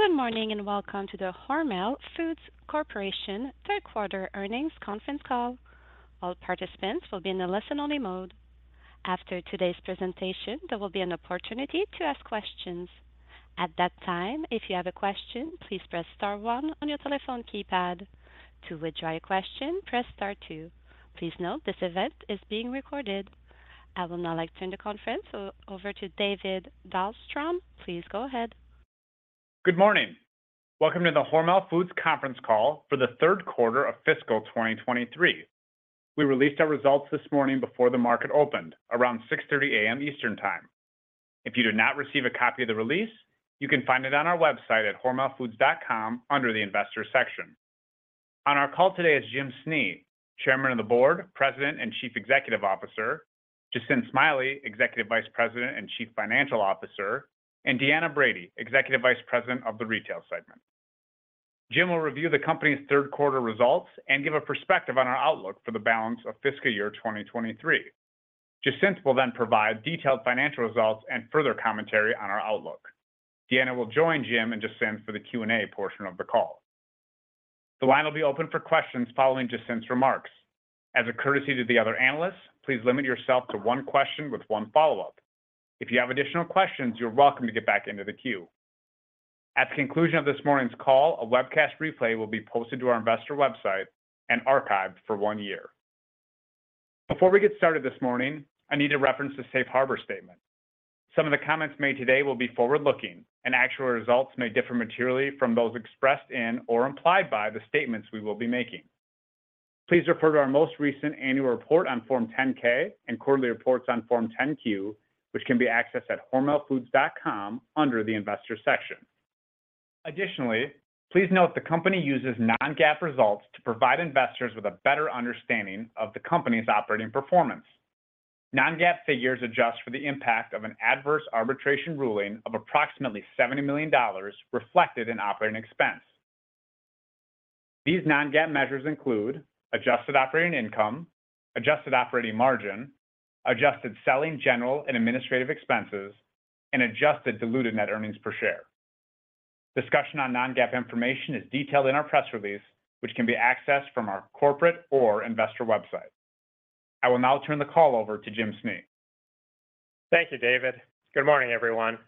Good morning, and welcome to the Hormel Foods Corporation Q3 earnings conference call. All participants will be in a listen-only mode. After today's presentation, there will be an opportunity to ask questions. At that time, if you have a question, please press star one on your telephone keypad. To withdraw your question, press star two. Please note, this event is being recorded. I would now like to turn the conference over to David Dahlstrom. Please go ahead. Good morning. Welcome to the Hormel Foods conference call for the Q3 of fiscal 2023. We released our results this morning before the market opened, around 6:30 A.M. Eastern Time. If you did not receive a copy of the release, you can find it on our website at hormelfoods.com under the investor section. On our call today is Jim Snee, Chairman of the Board, President, and Chief Executive Officer, Jacinth Smiley, Executive Vice President and Chief Financial Officer, and Deanna Brady, Executive Vice President of the Retail segment. Jim will review the company's Q3 results and give a perspective on our outlook for the balance of fiscal year 2023. Jacinth will then provide detailed financial results and further commentary on our outlook. Deanna will join Jim and Jacinth for the Q&A portion of the call. The line will be open for questions following Jacinth's remarks. As a courtesy to the other analysts, please limit yourself to one question with one follow-up. If you have additional questions, you're welcome to get back into the queue. At the conclusion of this morning's call, a webcast replay will be posted to our investor website and archived for one year. Before we get started this morning, I need to reference the Safe Harbor statement. Some of the comments made today will be forward-looking, and actual results may differ materially from those expressed in or implied by the statements we will be making. Please refer to our most recent annual report on Form 10-K and quarterly reports on Form 10-Q, which can be accessed at hormelfoods.com under the investor section. Additionally, please note the company uses non-GAAP results to provide investors with a better understanding of the company's operating performance. Non-GAAP figures adjust for the impact of an adverse arbitration ruling of approximately $70 million reflected in operating expense. These non-GAAP measures include adjusted operating income, adjusted operating margin, adjusted selling, general and administrative expenses, and adjusted diluted net earnings per share. Discussion on non-GAAP information is detailed in our press release, which can be accessed from our corporate or investor website. I will now turn the call over to Jim Snee. Thank you, David. Good morning, everyone.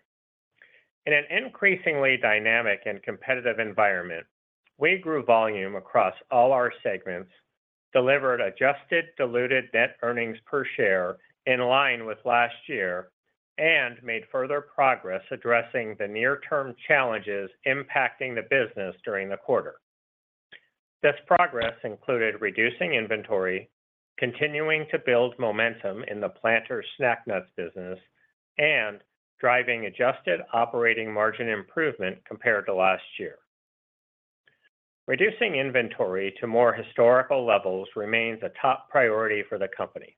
In an increasingly dynamic and competitive environment, we grew volume across all our segments, delivered adjusted diluted net earnings per share in line with last year, and made further progress addressing the near-term challenges impacting the business during the quarter. This progress included reducing inventory, continuing to build momentum in the Planters snack nuts business, and driving adjusted operating margin improvement compared to last year. Reducing inventory to more historical levels remains a top priority for the company.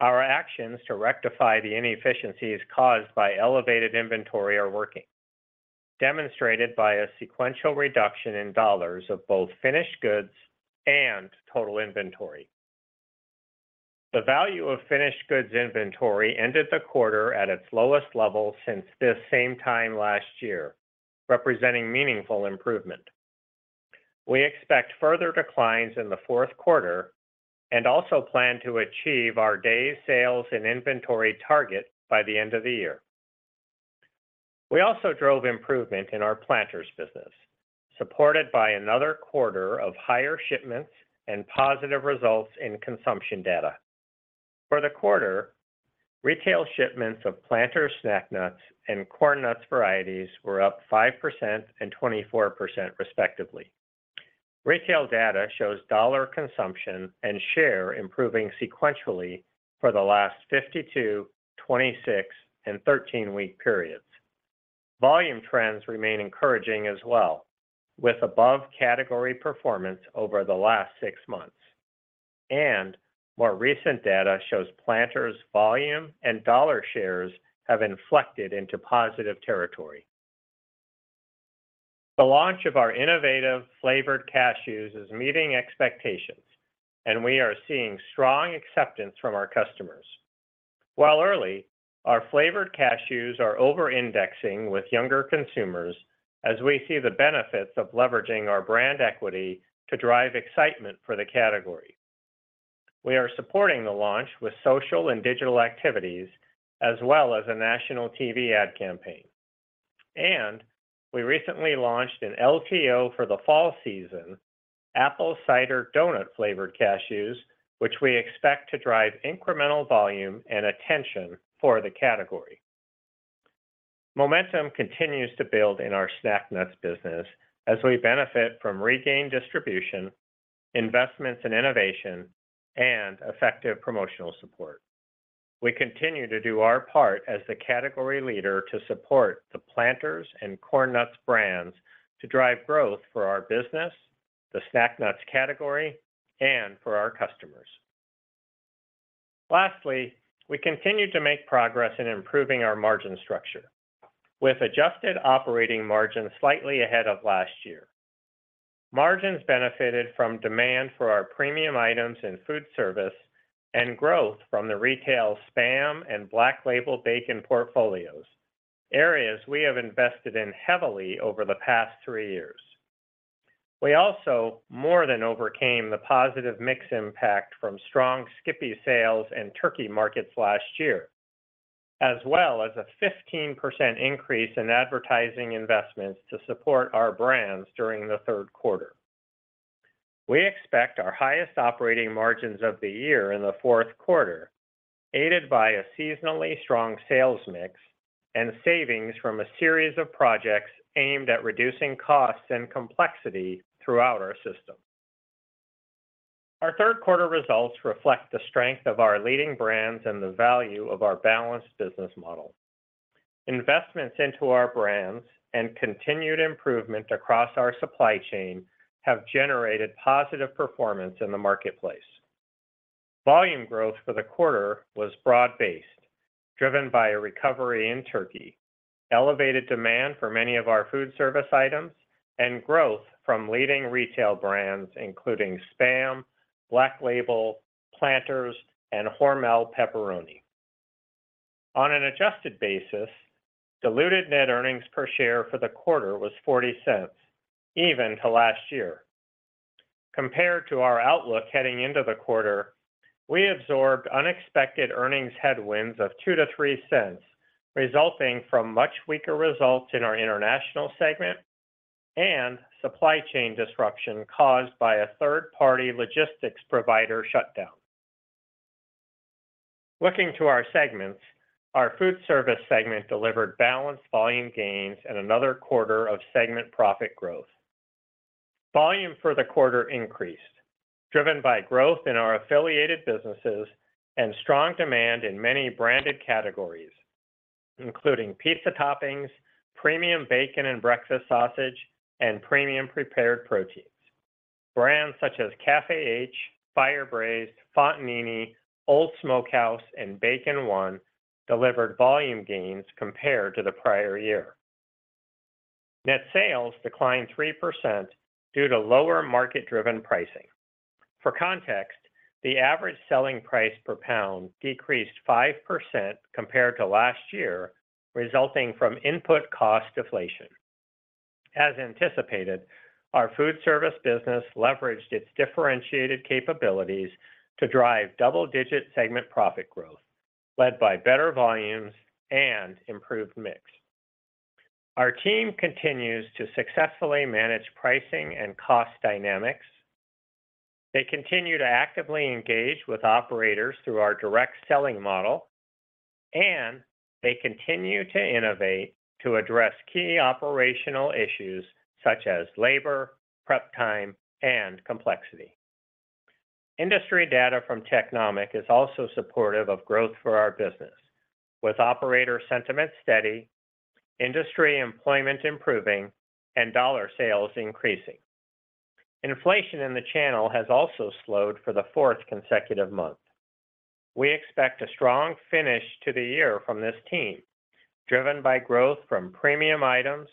Our actions to rectify the inefficiencies caused by elevated inventory are working, demonstrated by a sequential reduction in dollars of both finished goods and total inventory. The value of finished goods inventory ended the quarter at its lowest level since this same time last year, representing meaningful improvement. We expect further declines in the Q4 and also plan to achieve our days sales in inventory target by the end of the year. We also drove improvement in our Planters business, supported by another quarter of higher shipments and positive results in consumption data. For the quarter, retail shipments of Planters snack nuts and Corn Nuts varieties were up 5% and 24%, respectively. Retail data shows dollar consumption and share improving sequentially for the last 52-, 26-, and 13-week periods. Volume trends remain encouraging as well, with above-category performance over the last six months, and more recent data shows Planters volume and dollar shares have inflected into positive territory. The launch of our innovative flavored cashews is meeting expectations, and we are seeing strong acceptance from our customers. While early, our flavored cashews are over-indexing with younger consumers as we see the benefits of leveraging our brand equity to drive excitement for the category. We are supporting the launch with social and digital activities, as well as a national TV ad campaign. We recently launched an LTO for the fall season, apple cider donut-flavored cashews, which we expect to drive incremental volume and attention for the category. Momentum continues to build in our snack nuts business as we benefit from regained distribution, investments in innovation, and effective promotional support. We continue to do our part as the category leader to support the Planters and Corn Nuts brands to drive growth for our business, the snack nuts category, and for our customers. Lastly, we continue to make progress in improving our margin structure with adjusted operating margin slightly ahead of last year. Margins benefited from demand for our premium items in Foodservice and growth from the retail SPAM and Black Label bacon portfolios, areas we have invested in heavily over the past three years. We also more than overcame the positive mix impact from strong Skippy sales and turkey markets last year, as well as a 15% increase in advertising investments to support our brands during the Q3. We expect our highest operating margins of the year in the Q4, aided by a seasonally strong sales mix and savings from a series of projects aimed at reducing costs and complexity throughout our system. Our Q3 results reflect the strength of our leading brands and the value of our balanced business model. Investments into our brands and continued improvement across our supply chain have generated positive performance in the marketplace. Volume growth for the quarter was broad-based, driven by a recovery in turkey, elevated demand for many of our Foodservice items, and growth from leading retail brands, including SPAM, Black Label, Planters, and Hormel Pepperoni. On an adjusted basis, diluted net earnings per share for the quarter was $0.40, even to last year. Compared to our outlook heading into the quarter, we absorbed unexpected earnings headwinds of $0.02-$0.03, resulting from much weaker results in our International segment and supply chain disruption caused by a third-party logistics provider shutdown. Looking to our segments, our Foodservice segment delivered balanced volume gains and another quarter of segment profit growth. Volume for the quarter increased, driven by growth in our affiliated businesses and strong demand in many branded categories, including pizza toppings, premium bacon and breakfast sausage, and premium prepared proteins. Brands such as Café H, Fire Braised, Fontanini, Old Smokehouse, and Bacon 1 delivered volume gains compared to the prior year. Net sales declined 3% due to lower market-driven pricing. For context, the average selling price per pound decreased 5% compared to last year, resulting from input cost deflation. As anticipated, our foodservice business leveraged its differentiated capabilities to drive double-digit segment profit growth, led by better volumes and improved mix. Our team continues to successfully manage pricing and cost dynamics. They continue to actively engage with operators through our direct selling model, and they continue to innovate to address key operational issues such as labor, prep time, and complexity. Industry data from Technomic is also supportive of growth for our business, with operator sentiment steady, industry employment improving, and dollar sales increasing. Inflation in the channel has also slowed for the fourth consecutive month. We expect a strong finish to the year from this team, driven by growth from premium items,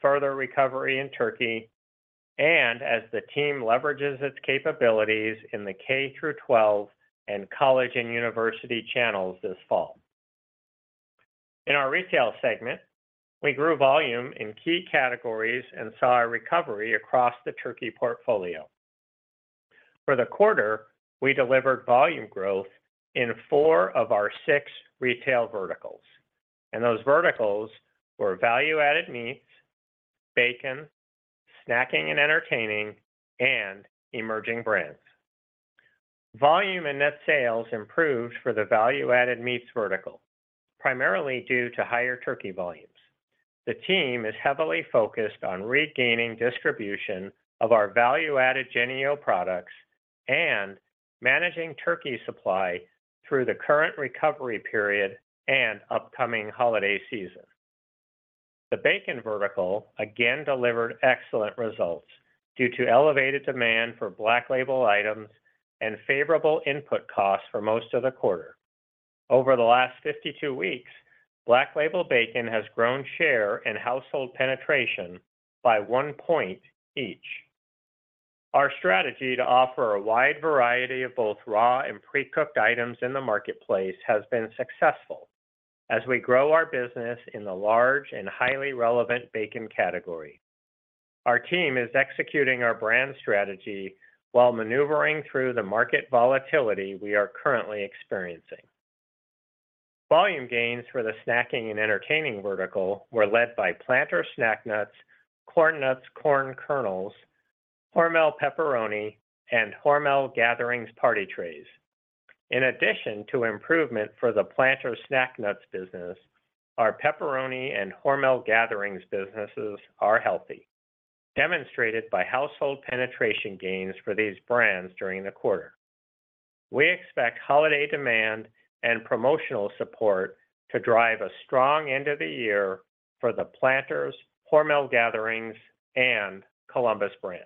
further recovery in turkey, and as the team leverages its capabilities in the K-12 and college and university channels this fall. In our Retail segment, we grew volume in key categories and saw a recovery across the turkey portfolio. For the quarter, we delivered volume growth in four of our six retail verticals, and those verticals were Value-Added Meats, Bacon, Snacking and Entertaining, and Emerging Brands. Volume and net sales improved for the Value-Added Meats vertical, primarily due to higher turkey volumes. The team is heavily focused on regaining distribution of our value-added Jennie-O products and managing turkey supply through the current recovery period and upcoming holiday season. The Bacon vertical again delivered excellent results due to elevated demand for Black Label items and favorable input costs for most of the quarter. Over the last 52 weeks, Black Label Bacon has grown share and household penetration by 1 point each. Our strategy to offer a wide variety of both raw and pre-cooked items in the marketplace has been successful as we grow our business in the large and highly relevant Bacon category. Our team is executing our brand strategy while maneuvering through the market volatility we are currently experiencing. Volume gains for the Snacking and Entertaining vertical were led by Planters snack nuts, Corn Nuts corn kernels, Hormel Pepperoni, and Hormel Gatherings party trays. In addition to improvement for the Planters snack nuts business, our Pepperoni and Hormel Gatherings businesses are healthy, demonstrated by household penetration gains for these brands during the quarter. We expect holiday demand and promotional support to drive a strong end of the year for the Planters, Hormel Gatherings, and Columbus Brands.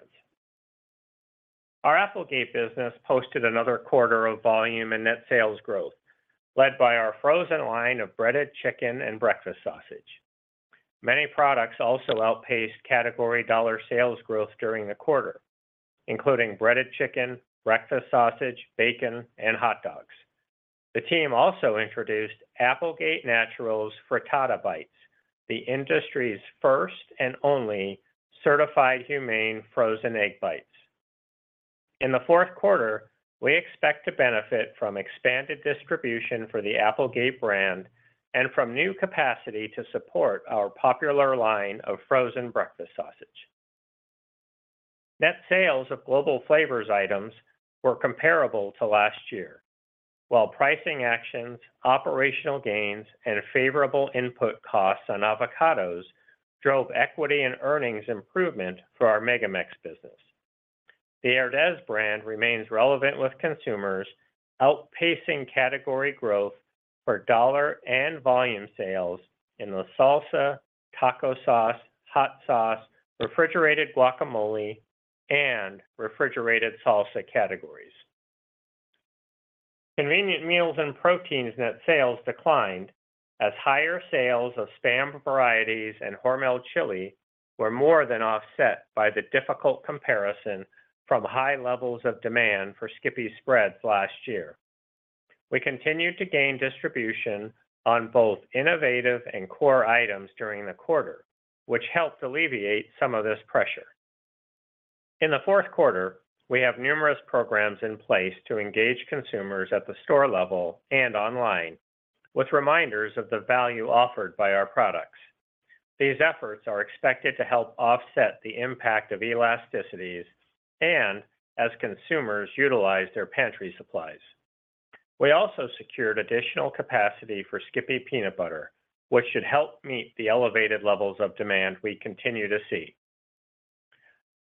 Our Applegate business posted another quarter of volume and net sales growth, led by our frozen line of breaded chicken and breakfast sausage. Many products also outpaced category dollar sales growth during the quarter, including breaded chicken, breakfast sausage, Bacon, and hot dogs. The team also introduced Applegate Naturals' Frittata Bites, the industry's first and only Certified Humane frozen egg bites. In the Q4, we expect to benefit from expanded distribution for the Applegate brand and from new capacity to support our popular line of frozen breakfast sausage. Net sales of Global Flavors items were comparable to last year, while pricing actions, operational gains, and favorable input costs on avocados drove equity and earnings improvement for our MegaMex business. The Herdez brand remains relevant with consumers, outpacing category growth for dollar and volume sales in the salsa, taco sauce, hot sauce, refrigerated guacamole, and refrigerated salsa categories. Convenient Meals and Proteins net sales declined as higher sales of SPAM varieties and Hormel Chili were more than offset by the difficult comparison from high levels of demand for Skippy spreads last year. We continued to gain distribution on both innovative and core items during the quarter, which helped alleviate some of this pressure. In the Q4, we have numerous programs in place to engage consumers at the store level and online, with reminders of the value offered by our products. These efforts are expected to help offset the impact of elasticities and as consumers utilize their pantry supplies. We also secured additional capacity for Skippy Peanut Butter, which should help meet the elevated levels of demand we continue to see.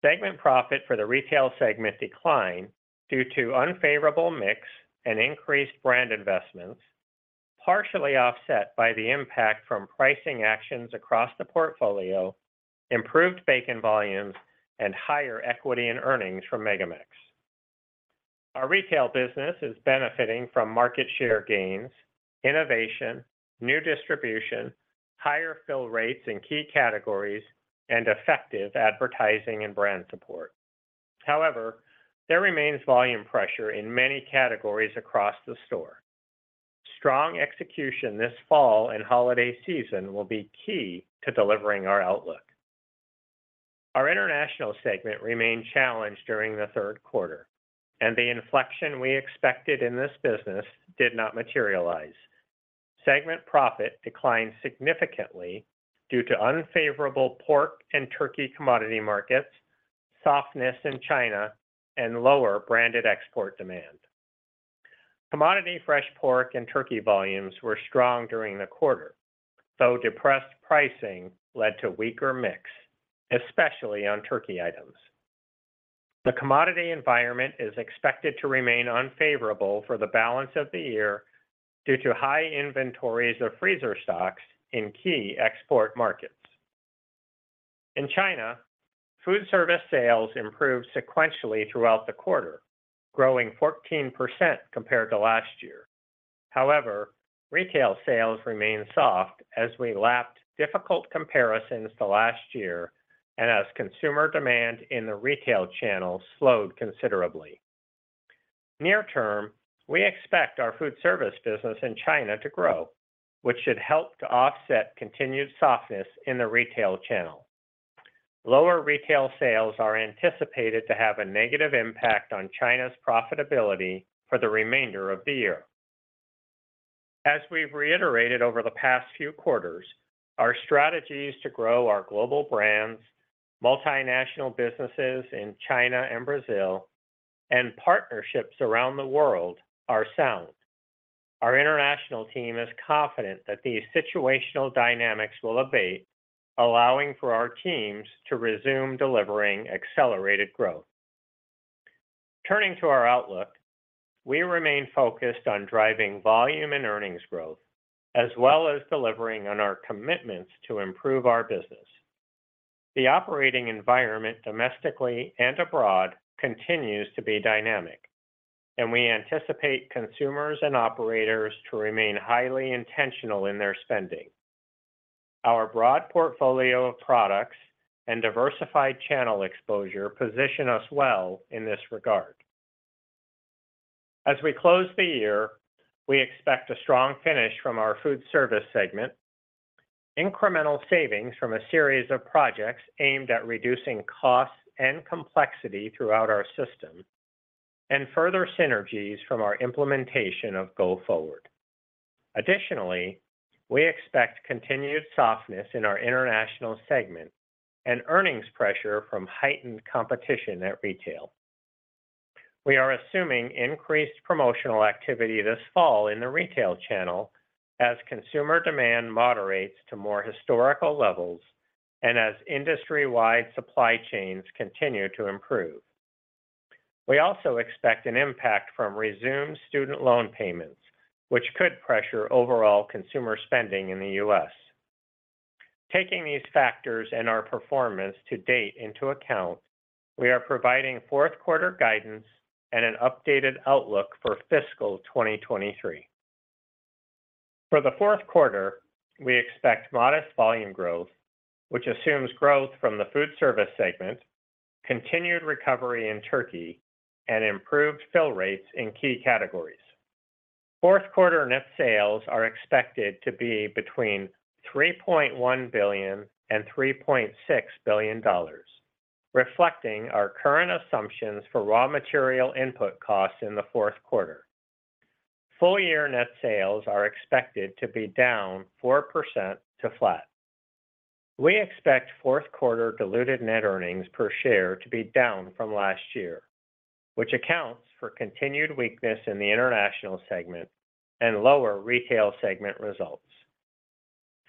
Segment profit for the Retail segment declined due to unfavorable mix and increased brand investments, partially offset by the impact from pricing actions across the portfolio, improved Bacon volumes, and higher equity in earnings from MegaMex. Our retail business is benefiting from market share gains, innovation, new distribution, higher fill rates in key categories, and effective advertising and brand support. However, there remains volume pressure in many categories across the store. Strong execution this fall and holiday season will be key to delivering our outlook. Our International segment remained challenged during the Q3, and the inflection we expected in this business did not materialize. Segment profit declined significantly due to unfavorable pork and turkey commodity markets, softness in China, and lower branded export demand. Commodity fresh pork and turkey volumes were strong during the quarter, though depressed pricing led to weaker mix, especially on turkey items. The commodity environment is expected to remain unfavorable for the balance of the year due to high inventories of freezer stocks in key export markets. In China, foodservice sales improved sequentially throughout the quarter, growing 14% compared to last year. However, retail sales remained soft as we lapped difficult comparisons to last year and as consumer demand in the retail channel slowed considerably. Near term, we expect our foodservice business in China to grow, which should help to offset continued softness in the retail channel. Lower retail sales are anticipated to have a negative impact on China's profitability for the remainder of the year. As we've reiterated over the past few quarters, our strategies to grow our global brands, multinational businesses in China and Brazil, and partnerships around the world are sound. Our international team is confident that these situational dynamics will abate, allowing for our teams to resume delivering accelerated growth. Turning to our outlook, we remain focused on driving volume and earnings growth, as well as delivering on our commitments to improve our business. The operating environment, domestically and abroad, continues to be dynamic, and we anticipate consumers and operators to remain highly intentional in their spending. Our broad portfolio of products and diversified channel exposure position us well in this regard. As we close the year, we expect a strong finish from our Foodservice segment, incremental savings from a series of projects aimed at reducing costs and complexity throughout our system, and further synergies from our implementation of Go Forward. Additionally, we expect continued softness in our International segment and earnings pressure from heightened competition at retail. We are assuming increased promotional activity this fall in the retail channel as consumer demand moderates to more historical levels and as industry-wide supply chains continue to improve. We also expect an impact from resumed student loan payments, which could pressure overall consumer spending in the U.S. Taking these factors and our performance to date into account, we are providing Q4 guidance and an updated outlook for fiscal 2023. For the Q4, we expect modest volume growth, which assumes growth from the Foodservice segment, continued recovery in turkey, and improved fill rates in key categories. Q4 net sales are expected to be between $3.1 billion and $3.6 billion, reflecting our current assumptions for raw material input costs in the Q4. Full-year net sales are expected to be down 4% to flat. We expect Q4 Diluted Net Earnings Per Share to be down from last year, which accounts for continued weakness in the international segment and lower Retail segment results.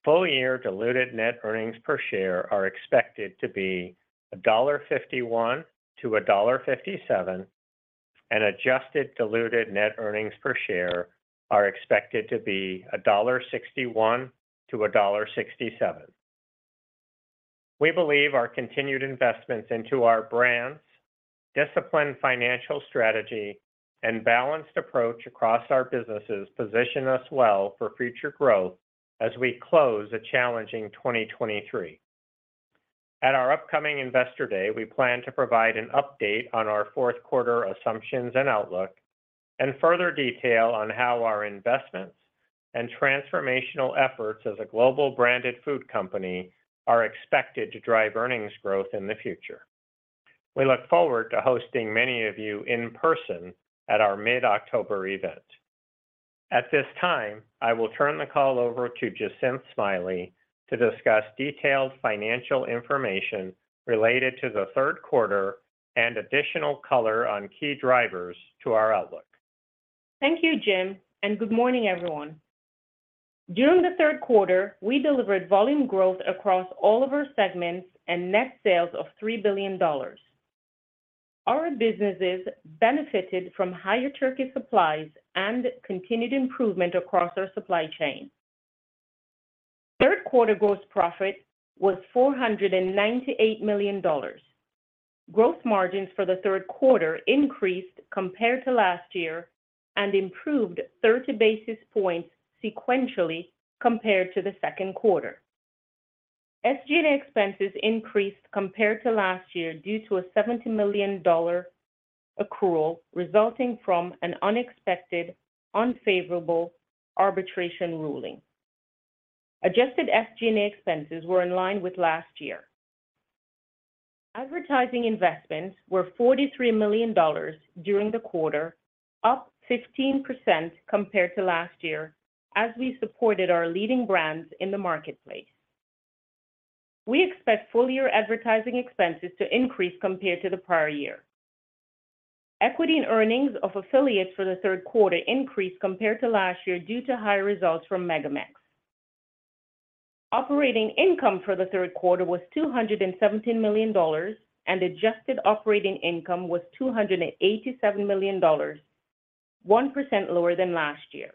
Full-year Diluted Net Earnings Per Share are expected to be $1.51-$1.57, and Adjusted Diluted Net Earnings Per Share are expected to be $1.61-$1.67. We believe our continued investments into our brands, disciplined financial strategy, and balanced approach across our businesses position us well for future growth as we close a challenging 2023. At our upcoming Investor Day, we plan to provide an update on our Q4 assumptions and outlook, and further detail on how our investments and transformational efforts as a global branded food company are expected to drive earnings growth in the future. We look forward to hosting many of you in person at our mid-October event. At this time, I will turn the call over to Jacinth Smiley to discuss detailed financial information related to the Q3 and additional color on key drivers to our outlook. Thank you, Jim, and good morning, everyone. During the Q3, we delivered volume growth across all of our segments and net sales of $3 billion. Our businesses benefited from higher turkey supplies and continued improvement across our supply chain. Q3 gross profit was $498 million. Gross margins for the Q3 increased compared to last year and improved 30 basis points sequentially compared to the Q2. SG&A expenses increased compared to last year due to a $70 million accrual resulting from an unexpected, unfavorable arbitration ruling. Adjusted SG&A expenses were in line with last year. Advertising investments were $43 million during the quarter, up 15% compared to last year, as we supported our leading brands in the marketplace. We expect full year advertising expenses to increase compared to the prior year. Equity and earnings of affiliates for the Q3 increased compared to last year due to high results from MegaMex. Operating income for the Q3 was $217 million, and adjusted operating income was $287 million, 1% lower than last year.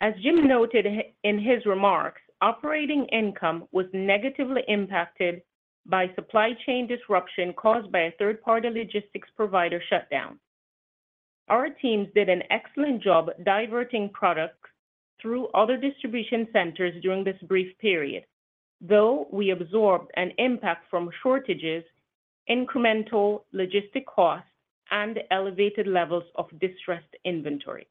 As Jim noted in his remarks, operating income was negatively impacted by supply chain disruption caused by a third-party logistics provider shutdown. Our teams did an excellent job diverting products through other distribution centers during this brief period, though we absorbed an impact from shortages, incremental logistic costs, and elevated levels of distressed inventory.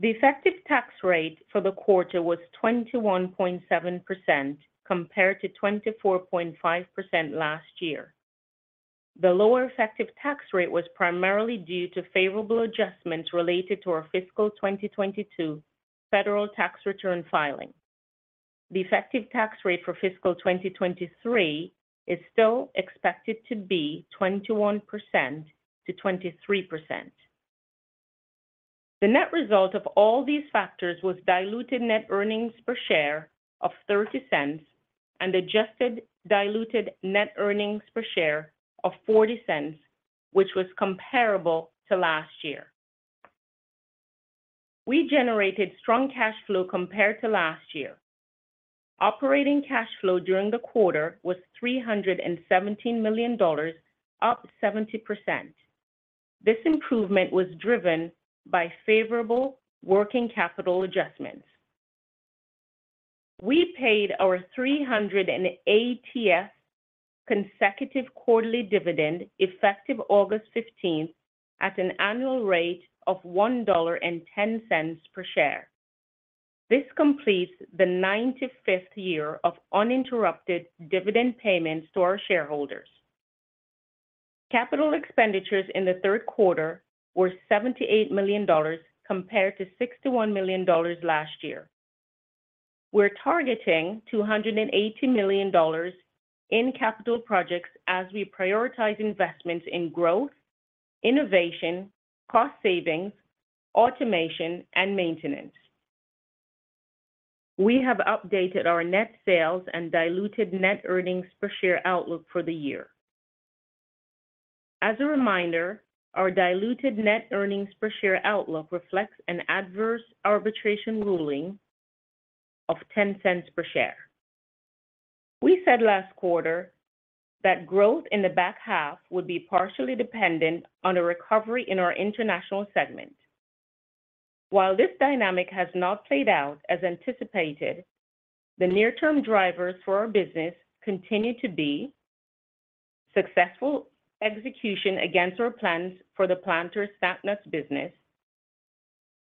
The effective tax rate for the quarter was 21.7%, compared to 24.5% last year. The lower effective tax rate was primarily due to favorable adjustments related to our fiscal 2022 federal tax return filing. The effective tax rate for fiscal 2023 is still expected to be 21%-23%. The net result of all these factors was diluted net earnings per share of $0.30 and adjusted diluted net earnings per share of $0.40, which was comparable to last year. We generated strong cash flow compared to last year. Operating cash flow during the quarter was $317 million, up 70%. This improvement was driven by favorable working capital adjustments. We paid our 380th consecutive quarterly dividend effective August 15, at an annual rate of $1.10 per share. This completes the 95th year of uninterrupted dividend payments to our shareholders. Capital expenditures in the Q3 were $78 million, compared to $61 million last year. We're targeting $280 million in capital projects as we prioritize investments in growth, innovation, cost savings, automation, and maintenance. We have updated our net sales and diluted net earnings per share outlook for the year. As a reminder, our diluted net earnings per share outlook reflects an adverse arbitration ruling of $0.10 per share. We said last quarter that growth in the back half would be partially dependent on a recovery in our international segment. While this dynamic has not played out as anticipated, the near-term drivers for our business continue to be successful execution against our plans for the Planters snack nuts business,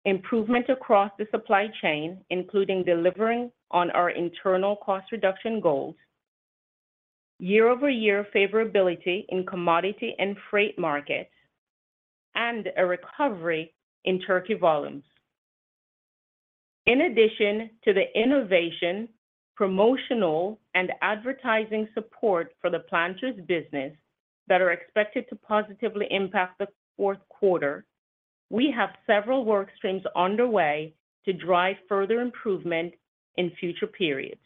improvement across the supply chain, including delivering on our internal cost reduction goals, year-over-year favorability in commodity and freight markets, and a recovery in turkey volumes. In addition to the innovation, promotional, and advertising support for the Planters business that are expected to positively impact the Q4, we have several work streams underway to drive further improvement in future periods.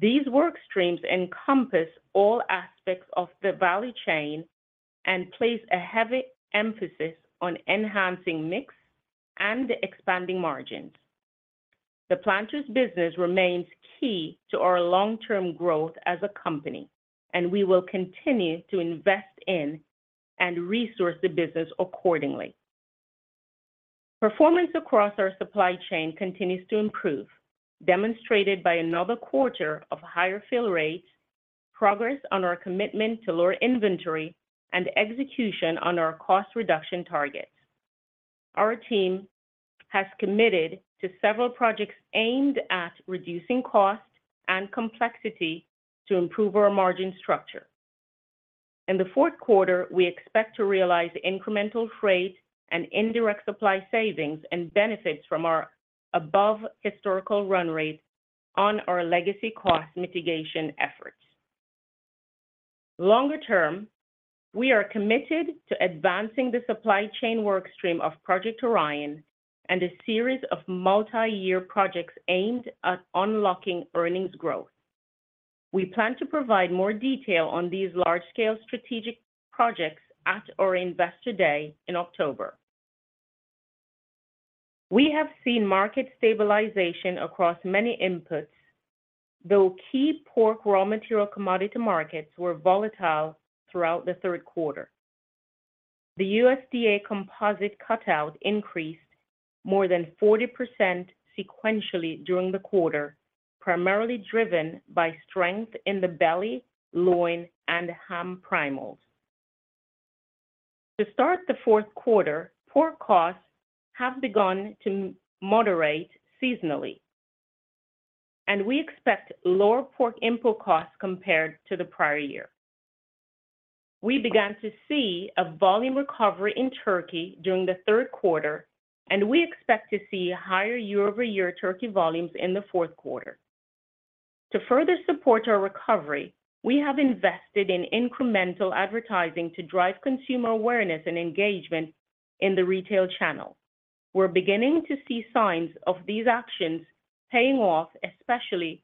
These work streams encompass all aspects of the value chain and place a heavy emphasis on enhancing mix and expanding margins. The Planters business remains key to our long-term growth as a company, and we will continue to invest in and resource the business accordingly. Performance across our supply chain continues to improve, demonstrated by another quarter of higher fill rates, progress on our commitment to lower inventory, and execution on our cost reduction targets. Our team has committed to several projects aimed at reducing cost and complexity to improve our margin structure. In the Q4, we expect to realize incremental freight and indirect supply savings and benefits from our above historical run rate on our legacy cost mitigation efforts. Longer term, we are committed to advancing the supply chain work stream of Project Orion and a series of multi-year projects aimed at unlocking earnings growth. We plan to provide more detail on these large-scale strategic projects at our Investor Day in October. We have seen market stabilization across many inputs, though key pork raw material commodity markets were volatile throughout the Q3. The USDA Composite Cutout increased more than 40% sequentially during the quarter, primarily driven by strength in the belly, loin, and ham primals. To start the Q4, pork costs have begun to moderate seasonally, and we expect lower pork input costs compared to the prior year. We began to see a volume recovery in turkey during the Q3, and we expect to see higher year-over-year turkey volumes in the Q4. To further support our recovery, we have invested in incremental advertising to drive consumer awareness and engagement in the Retail channel. We're beginning to see signs of these actions paying off, especially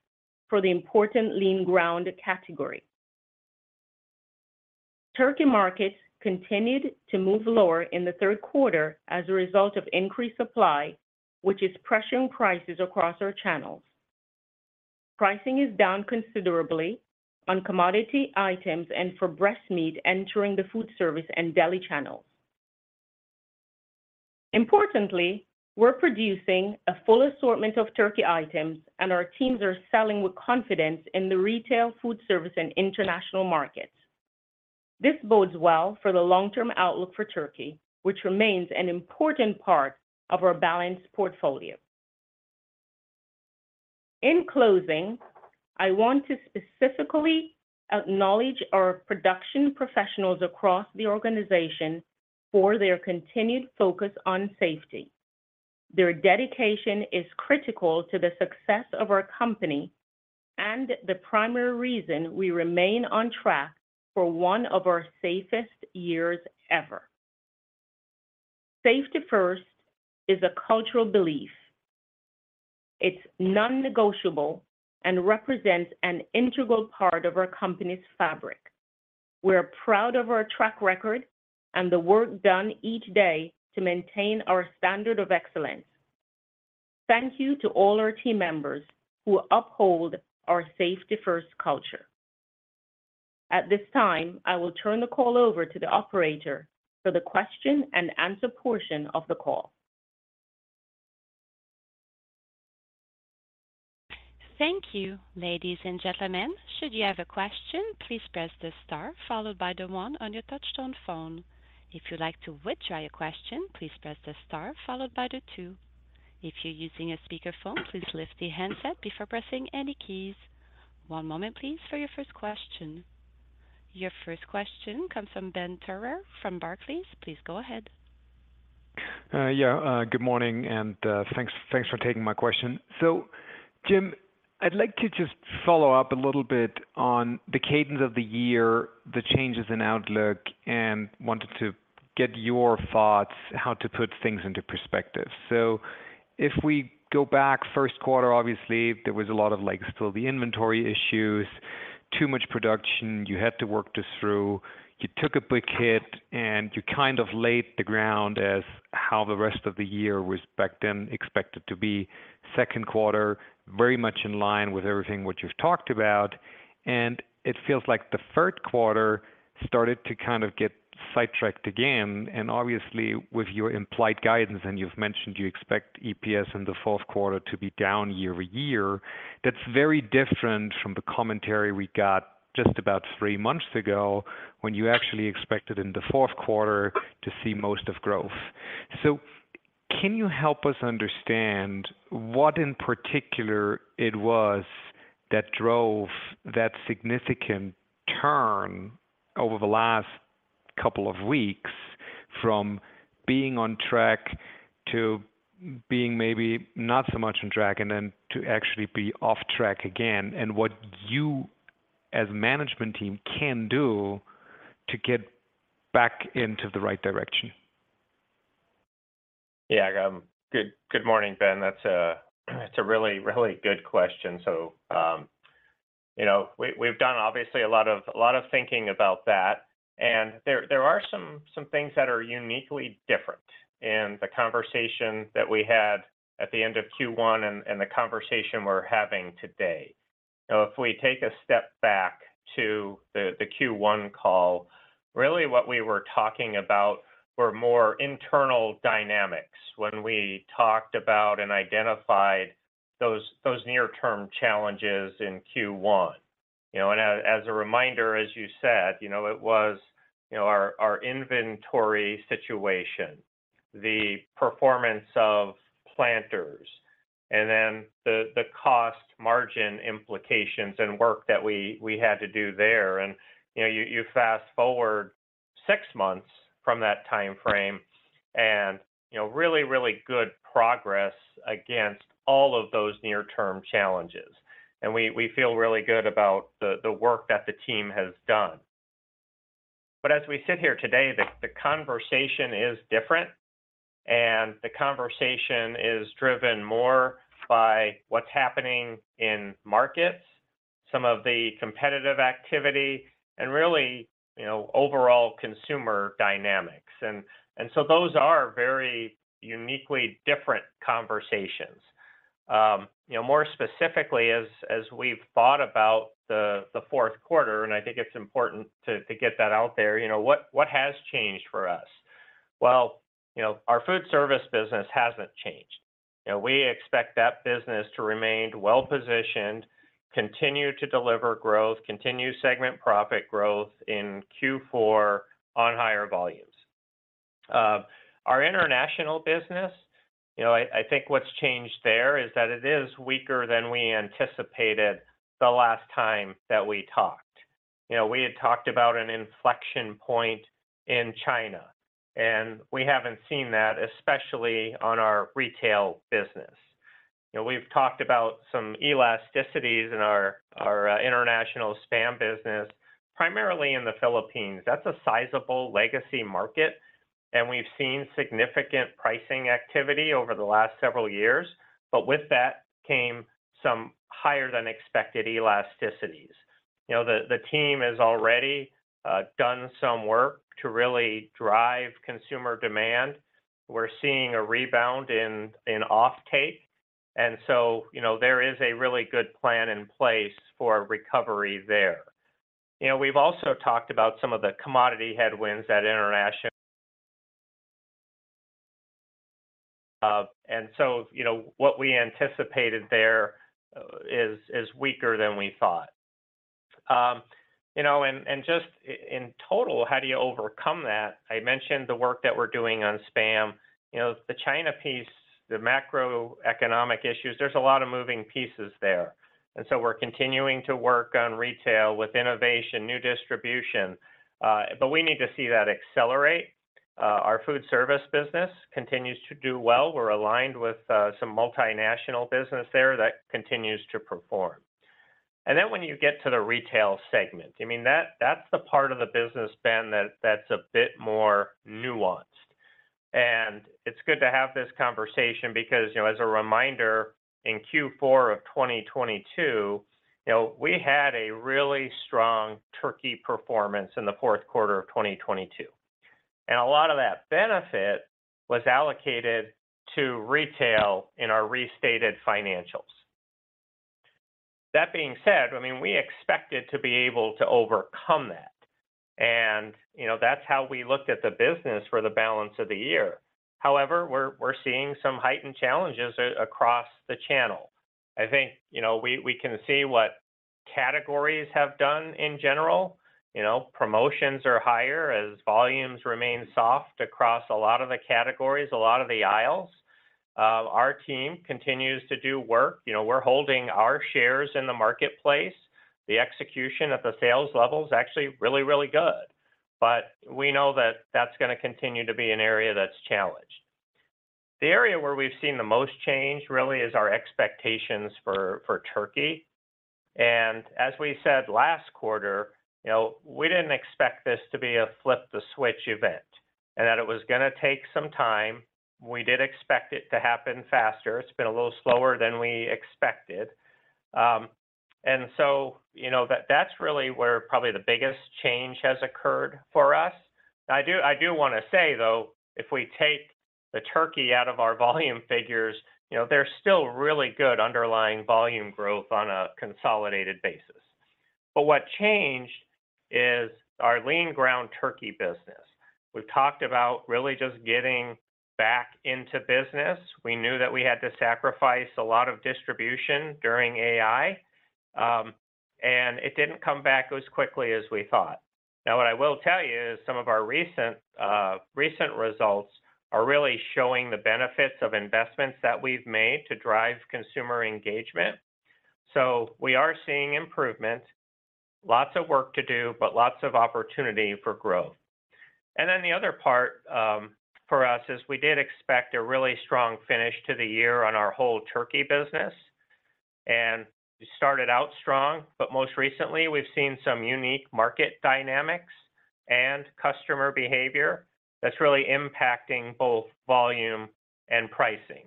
for the important lean ground category. Turkey markets continued to move lower in the Q3 as a result of increased supply, which is pressuring prices across our channels. Pricing is down considerably on commodity items and for breast meat entering the Foodservice and deli channels. Importantly, we're producing a full assortment of turkey items, and our teams are selling with confidence in the Retail, Foodservice, and International markets. This bodes well for the long-term outlook for turkey, which remains an important part of our balanced portfolio. In closing, I want to specifically acknowledge our production professionals across the organization for their continued focus on safety. Their dedication is critical to the success of our company and the primary reason we remain on track for one of our safest years ever. Safety first is a cultural belief. It's non-negotiable and represents an integral part of our company's fabric. We're proud of our track record and the work done each day to maintain our standard of excellence. Thank you to all our team members who uphold our safety-first culture. At this time, I will turn the call over to the operator for the question-and-answer portion of the call. Thank you. Ladies and gentlemen, should you have a question, please press the star followed by the one on your touchtone phone. If you'd like to withdraw your question, please press the star followed by the two. If you're using a speakerphone, please lift the handset before pressing any keys. One moment, please, for your first question. Your first question comes from Ben Theurer from Barclays. Please go ahead. Yeah, good morning, and thanks, thanks for taking my question. So, Jim, I'd like to just follow up a little bit on the cadence of the year, the changes in outlook, and wanted to get your thoughts on how to put things into perspective. If we go back Q1, obviously, there was a lot of, like, still the inventory issues, too much production. You had to work this through. You took a big hit, and you kind of laid the ground as how the rest of the year was back then expected to be. Q2, very much in line with everything which you've talked about, and it feels like the Q3 started to kind of get sidetracked again. Obviously, with your implied guidance, and you've mentioned you expect EPS in the Q4 to be down year-over-year, that's very different from the commentary we got just about three months ago when you actually expected in the Q4 to see most of growth. So can you help us understand what, in particular, it was that drove that significant turn over the last couple of weeks from being on track to being maybe not so much on track, and then to actually be off track again? And what you, as a management team, can do to get back into the right direction. Yeah, good morning, Ben. That's a really good question. So, you know, we've done obviously a lot of thinking about that, and there are some things that are uniquely different in the conversation that we had at the end of Q1 and the conversation we're having today. Now, if we take a step back to the Q1 call, really what we were talking about were more internal dynamics when we talked about and identified those near-term challenges in Q1. You know, and as a reminder, as you said, you know, it was our inventory situation, the performance of Planters, and then the cost margin implications and work that we had to do there. You know, you fast-forward six months from that timeframe and, you know, really, really good progress against all of those near-term challenges. We feel really good about the work that the team has done. But as we sit here today, the conversation is different, and the conversation is driven more by what's happening in markets, some of the competitive activity and really, you know, overall consumer dynamics. So those are very uniquely different conversations. You know, more specifically, as we've thought about the Q4, and I think it's important to get that out there, you know, what has changed for us? Well, you know, our foodservice business hasn't changed. You know, we expect that business to remain well-positioned, continue to deliver growth, continue segment profit growth in Q4 on higher volumes. Our international business, you know, I think what's changed there is that it is weaker than we anticipated the last time that we talked. You know, we had talked about an inflection point in China, and we haven't seen that, especially on our retail business. You know, we've talked about some elasticities in our international SPAM business, primarily in the Philippines. That's a sizable legacy market, and we've seen significant pricing activity over the last several years. But with that came some higher-than-expected elasticities. You know, the team has already done some work to really drive consumer demand. We're seeing a rebound in offtake, and so, you know, there is a really good plan in place for recovery there. You know, we've also talked about some of the commodity headwinds at international. And so, you know, what we anticipated there is weaker than we thought. You know, and just in total, how do you overcome that? I mentioned the work that we're doing on SPAM. You know, the China piece, the macroeconomic issues, there's a lot of moving pieces there, and so we're continuing to work on Retail with innovation, new distribution, but we need to see that accelerate. Our Foodservice business continues to do well. We're aligned with some multinational business there that continues to perform. And then, when you get to the Retail segment, I mean, that's the part of the business, Ben, that's a bit more nuanced. It's good to have this conversation because, you know, as a reminder, in Q4 of 2022, you know, we had a really strong turkey performance in the Q4 of 2022, and a lot of that benefit was allocated to retail in our restated financials. That being said, I mean, we expected to be able to overcome that, and, you know, that's how we looked at the business for the balance of the year. However, we're seeing some heightened challenges across the channel. I think, you know, we can see what categories have done in general. You know, promotions are higher as volumes remain soft across a lot of the categories, a lot of the aisles. Our team continues to do work. You know, we're holding our shares in the marketplace. The execution at the sales level is actually really, really good, but we know that that's gonna continue to be an area that's challenged. The area where we've seen the most change really is our expectations for turkey. And as we said last quarter, you know, we didn't expect this to be a flip the switch event, and that it was gonna take some time. We did expect it to happen faster. It's been a little slower than we expected. And so, you know, that's really where probably the biggest change has occurred for us. I do wanna say, though, if we take the turkey out of our volume figures, you know, there's still really good underlying volume growth on a consolidated basis. But what changed is our lean ground turkey business. We've talked about really just getting back into business. We knew that we had to sacrifice a lot of distribution during AI, and it didn't come back as quickly as we thought. Now, what I will tell you is some of our recent recent results are really showing the benefits of investments that we've made to drive consumer engagement. So we are seeing improvement. Lots of work to do, but lots of opportunity for growth. And then the other part, for us, is we did expect a really strong finish to the year on our whole turkey business. And we started out strong, but most recently, we've seen some unique market dynamics and customer behavior that's really impacting both volume and pricing.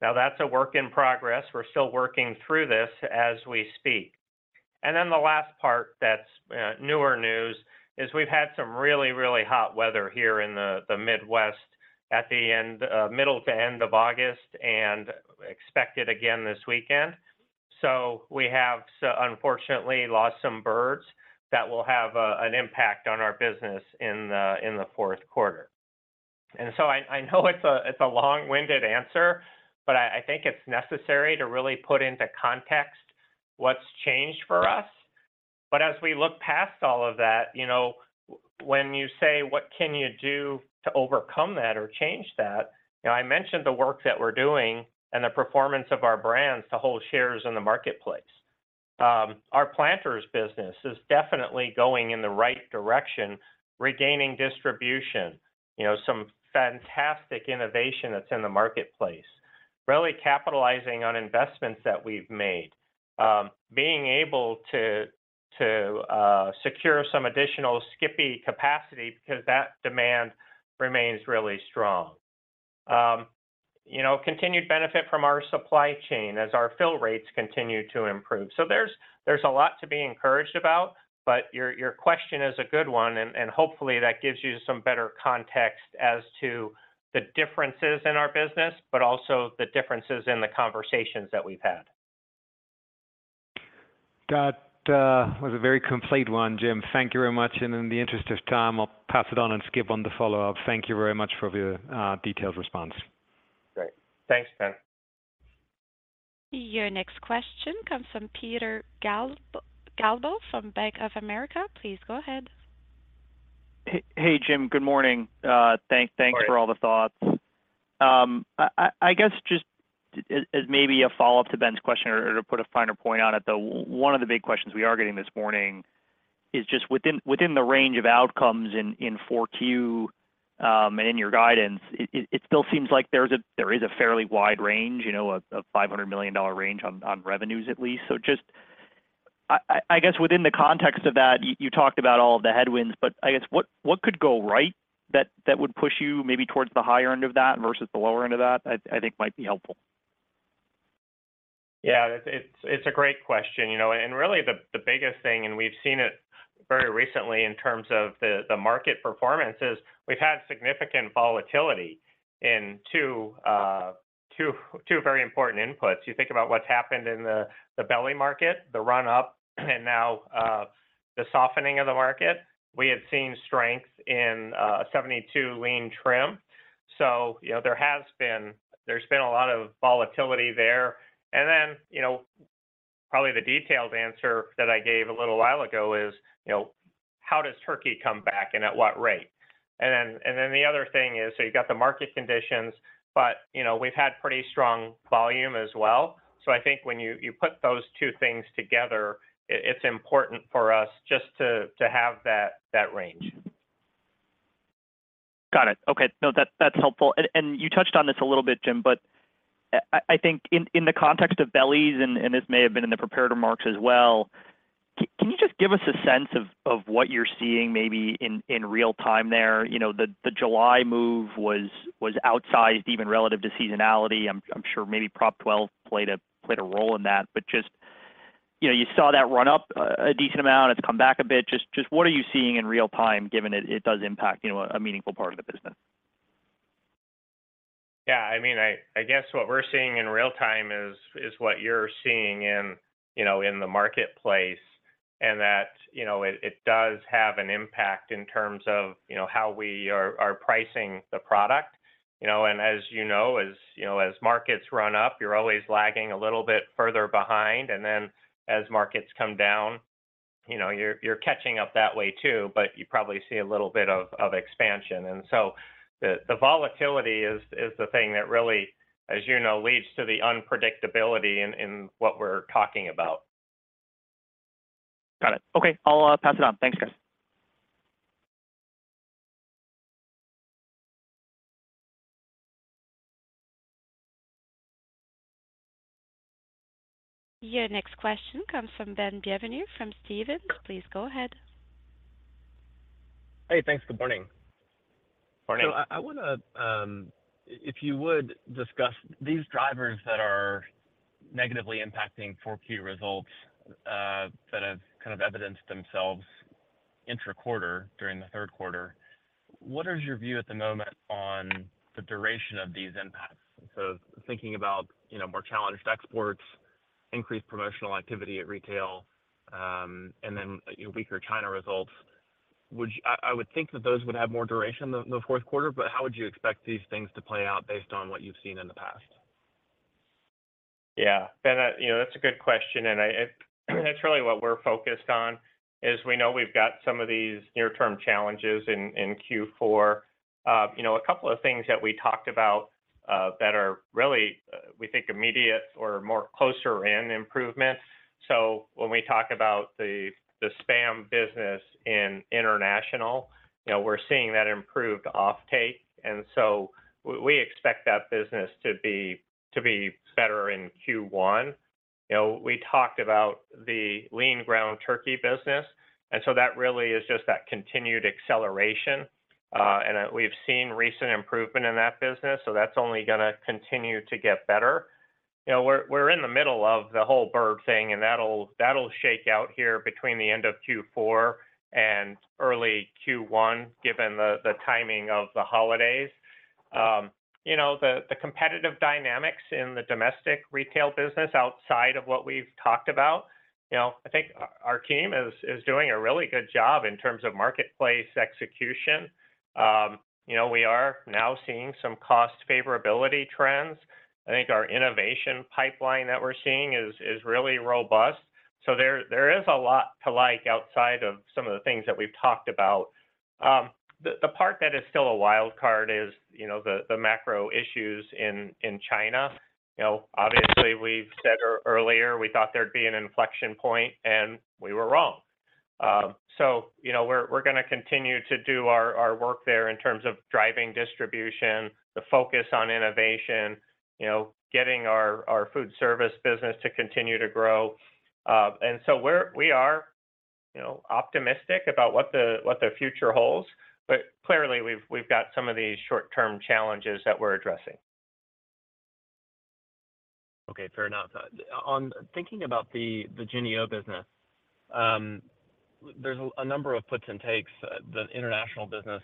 Now, that's a work in progress. We're still working through this as we speak. And then the last part that's newer news is we've had some really, really hot weather here in the Midwest at the end, middle to end of August, and expect it again this weekend. So we have unfortunately lost some birds that will have an impact on our business in the Q4. And so I know it's a long-winded answer, but I think it's necessary to really put into context what's changed for us. But as we look past all of that, you know, when you say, "What can you do to overcome that or change that?" You know, I mentioned the work that we're doing and the performance of our brands to hold shares in the marketplace. Our Planters business is definitely going in the right direction, regaining distribution, you know, some fantastic innovation that's in the marketplace. Really capitalizing on investments that we've made. Being able to, to secure some additional Skippy capacity because that demand remains really strong. You know, continued benefit from our supply chain as our fill rates continue to improve. So there's a lot to be encouraged about, but your question is a good one, and hopefully, that gives you some better context as to the differences in our business, but also the differences in the conversations that we've had. That was a very complete one, Jim. Thank you very much, and in the interest of time, I'll pass it on and skip on the follow-up. Thank you very much for your detailed response. Great. Thanks, Ben. Your next question comes from Peter Galbo, from Bank of America. Please go ahead. Hey, Jim. Good morning. Thank- Good morning. Thanks for all the thoughts. I guess just as maybe a follow-up to Ben's question or to put a finer point on it, though, one of the big questions we are getting this morning is just within the range of outcomes in 4Q and in your guidance, it still seems like there is a fairly wide range, you know, a $500 million range on revenues, at least. So just, I guess within the context of that, you talked about all of the headwinds, but I guess, what could go right that would push you maybe towards the higher end of that versus the lower end of that? I think might be helpful. Yeah, it's a great question. You know, and really, the biggest thing, and we've seen it very recently in terms of the market performance, is we've had significant volatility in two very important inputs. You think about what's happened in the belly market, the run-up, and now the softening of the market. We have seen strength in 72 lean trim. So, you know, there has been a lot of volatility there. And then, you know, probably the detailed answer that I gave a little while ago is, you know, how does turkey come back, and at what rate? And then the other thing is, so you've got the market conditions, but, you know, we've had pretty strong volume as well. So I think when you put those two things together, it's important for us just to have that range. Got it. Okay. No, that's helpful. And you touched on this a little bit, Jim, but I think in the context of bellies, and this may have been in the prepared remarks as well, can you just give us a sense of what you're seeing maybe in real time there? You know, the July move was outsized, even relative to seasonality. I'm sure maybe Prop 12 played a role in that. But just, you know, you saw that run up a decent amount. It's come back a bit. Just what are you seeing in real time, given it does impact, you know, a meaningful part of the business? Yeah, I mean, I guess what we're seeing in real time is what you're seeing in, you know, the marketplace, and that, you know, it does have an impact in terms of, you know, how we are pricing the product. You know, and as you know, as markets run up, you're always lagging a little bit further behind, and then as markets come down, you know, you're catching up that way too, but you probably see a little bit of expansion. And so the volatility is the thing that really, as you know, leads to the unpredictability in what we're talking about. Got it. Okay, I'll pass it on. Thanks, guys. Your next question comes from Ben Bienvenu from Stephens. Please go ahead. Hey, thanks. Good morning. Morning. So I want to, if you would, discuss these drivers that are negatively impacting four key results, that have kind of evidenced themselves intra-quarter during the Q3. What is your view at the moment on the duration of these impacts? So thinking about, you know, more challenged exports, increased promotional activity at retail, and then, weaker China results. Would you—I would think that those would have more duration than the Q4, but how would you expect these things to play out based on what you've seen in the past? Yeah, Ben, you know, that's a good question, and that's really what we're focused on, is we know we've got some of these near-term challenges in Q4. You know, a couple of things that we talked about that are really, we think, immediate or more closer in improvements. So when we talk about the SPAM business in international, you know, we're seeing that improved offtake, and so we expect that business to be better in Q1. You know, we talked about the lean ground turkey business, and so that really is just that continued acceleration. And we've seen recent improvement in that business, so that's only gonna continue to get better. You know, we're in the middle of the whole bird thing, and that'll shake out here between the end of Q4 and early Q1, given the timing of the holidays. You know, the competitive dynamics in the domestic retail business outside of what we've talked about, you know, I think our team is doing a really good job in terms of marketplace execution. You know, we are now seeing some cost favorability trends. I think our innovation pipeline that we're seeing is really robust. So there is a lot to like outside of some of the things that we've talked about. The part that is still a wild card is, you know, the macro issues in China. You know, obviously, we've said earlier, we thought there'd be an inflection point, and we were wrong. So you know, we're, we're gonna continue to do our, our work there in terms of driving distribution, the focus on innovation, you know, getting our, our foodservice business to continue to grow. And so we're, we are, you know, optimistic about what the, what the future holds, but clearly, we've, we've got some of these short-term challenges that we're addressing. Okay, fair enough. On thinking about the Jennie-O business, there's a number of puts and takes. The international business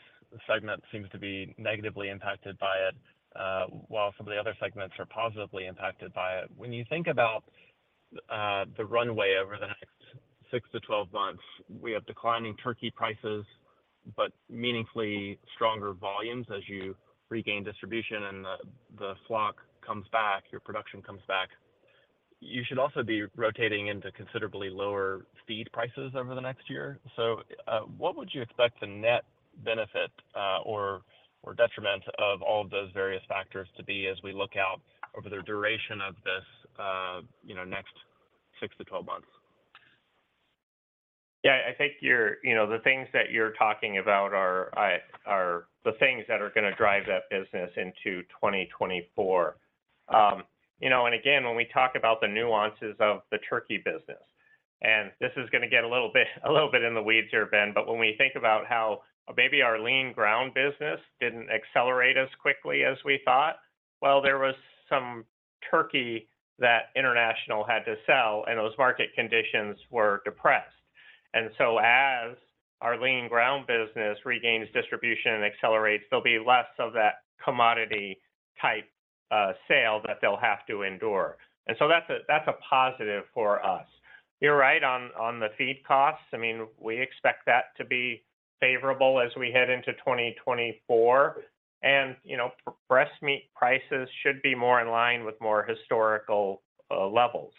segment seems to be negatively impacted by it, while some of the other segments are positively impacted by it. When you think about the runway over the next six to 12 months, we have declining turkey prices, but meaningfully stronger volumes as you regain distribution and the flock comes back, your production comes back. You should also be rotating into considerably lower feed prices over the next year. So, what would you expect the net benefit, or detriment of all of those various factors to be as we look out over the duration of this, you know, next six to 12 months? Yeah, I think you're, you know, the things that you're talking about are the things that are gonna drive that business into 2024. You know, and again, when we talk about the nuances of the turkey business, and this is gonna get a little bit, a little bit in the weeds here, Ben, but when we think about how maybe our lean ground business didn't accelerate as quickly as we thought, well, there was some turkey that international had to sell, and those market conditions were depressed. And so as our lean ground business regains distribution and accelerates, there'll be less of that commodity type sale that they'll have to endure. And so that's a positive for us. You're right on the feed costs. I mean, we expect that to be favorable as we head into 2024. You know, breast meat prices should be more in line with more historical levels.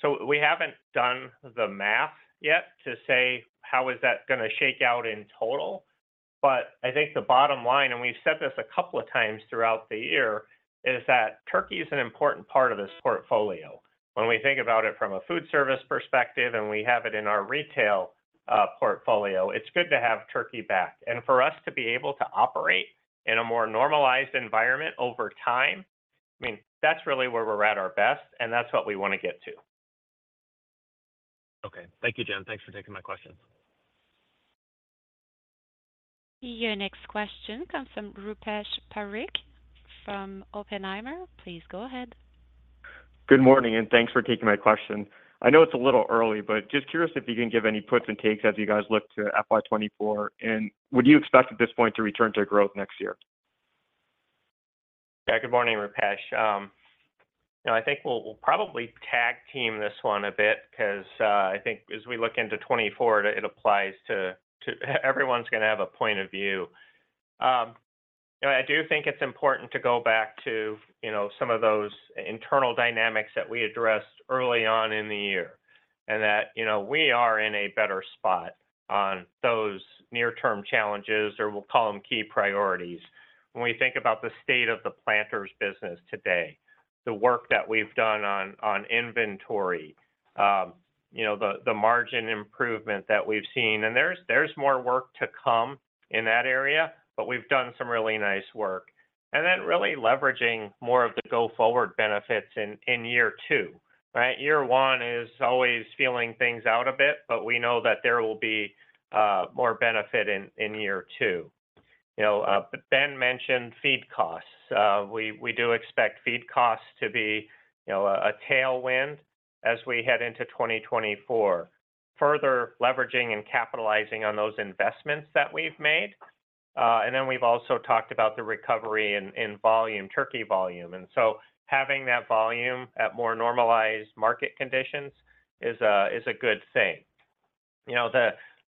So we haven't done the math yet to say how is that gonna shake out in total, but I think the bottom line, and we've said this a couple of times throughout the year, is that turkey is an important part of this portfolio. When we think about it from a foodservice perspective, and we have it in our retail portfolio, it's good to have turkey back. And for us to be able to operate in a more normalized environment over time, I mean, that's really where we're at our best, and that's what we want to get to. Okay. Thank you, Jim. Thanks for taking my questions. Your next question comes from Rupesh Parikh from Oppenheimer. Please go ahead. Good morning, and thanks for taking my question. I know it's a little early, but just curious if you can give any puts and takes as you guys look to FY 2024. And would you expect, at this point, to return to growth next year? Yeah. Good morning, Rupesh. You know, I think we'll, we'll probably tag team this one a bit because, I think as we look into 2024, it applies to, to—everyone's gonna have a point of view. You know, I do think it's important to go back to, you know, some of those internal dynamics that we addressed early on in the year, and that, you know, we are in a better spot on those near-term challenges, or we'll call them key priorities. When we think about the state of the Planters business today, the work that we've done on, on inventory, you know, the, the margin improvement that we've seen. And there's, there's more work to come in that area, but we've done some really nice work. And then really leveraging more of the go-forward benefits in, in year two, right? Year one is always feeling things out a bit, but we know that there will be more benefit in year two. You know, but Ben mentioned feed costs. We do expect feed costs to be, you know, a tailwind as we head into 2024, further leveraging and capitalizing on those investments that we've made. And then we've also talked about the recovery in volume, turkey volume. And so having that volume at more normalized market conditions is a good thing. You know,